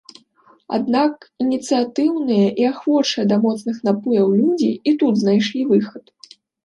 Аднак ініцыятыўныя і ахвочыя да моцных напояў людзі і тут знайшлі выхад.